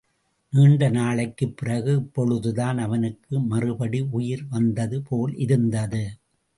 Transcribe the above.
நீண்ட நாளைக்குப் பிறகு இப்பொழுதுதான் அவனுக்கு மறுபடி உயிர் வந்தது போலிருந்தது.